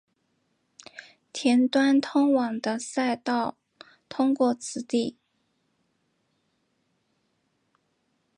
田端通往的参道通过此地。